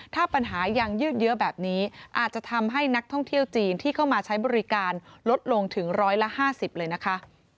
ถ้าปัญหายังยืดเยอะแบบนี้อาจจะทำให้นักท่องเที่ยวจีนที่เข้ามาใช้บริการลดลงถึง๑๕๐เลยนะคะ